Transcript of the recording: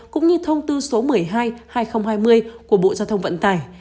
cũng như thông tư số một mươi hai hai nghìn hai mươi của bộ giao thông vận tải